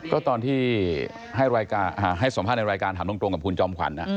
ก็ตอนที่ให้สัมภาษณ์ในรายการถามตรงกับคุณจอมขวัญ